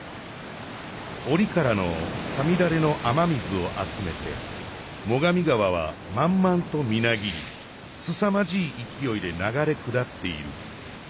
おりからの五月雨の雨水をあつめて最上川はまんまんとみなぎりすさまじいいきおいでながれ下っている。